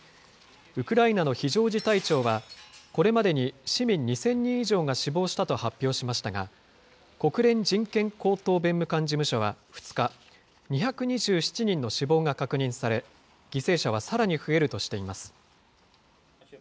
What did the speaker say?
ウクライナの非常事態庁は、これまでに市民２０００人以上が死亡したと発表しましたが、国連人権高等弁務官事務所は２日、２２７人の死亡が確認され、犠牲者はさらに増えるとしています。